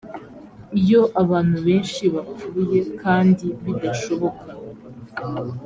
iyo abantu benshi bapfuye kandi bidashoboka